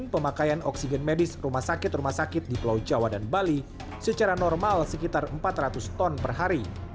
pemakaian oksigen medis rumah sakit rumah sakit di pulau jawa dan bali secara normal sekitar empat ratus ton per hari